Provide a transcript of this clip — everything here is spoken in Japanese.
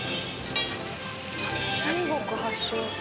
中国発祥。